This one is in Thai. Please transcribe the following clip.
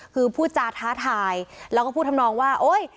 คือพูดจาท้าทายแล้วก็พูดทำนองว่าโอ๊ย